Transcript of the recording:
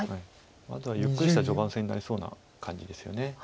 まずはゆっくりした序盤戦になりそうな感じですよね。